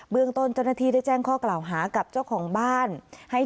เรื่องต้นเจ้าหน้าที่ได้แจ้งข้อกล่าวหากับเจ้าของบ้านให้